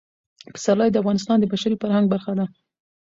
پسرلی د افغانستان د بشري فرهنګ برخه ده.